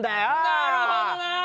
なるほどな。